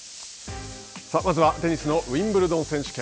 さあ、まずはテニスのウィンブルドン選手権。